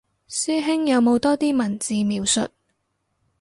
師兄有冇多啲文字描述